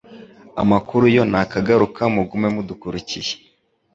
Amakuru yo nakagaruka mugume mudukurikirane